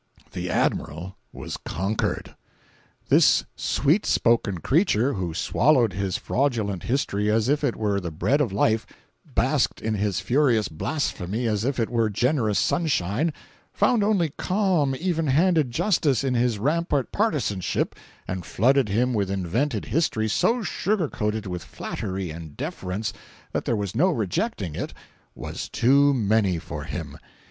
453.jpg (44K) The Admiral was conquered. This sweet spoken creature who swallowed his fraudulent history as if it were the bread of life; basked in his furious blasphemy as if it were generous sunshine; found only calm, even handed justice in his rampart partisanship; and flooded him with invented history so sugarcoated with flattery and deference that there was no rejecting it, was "too many" for him.